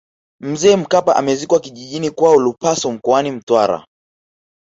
mzee mkapa amezikwa kijijini kwao lupaso mkoani mtwara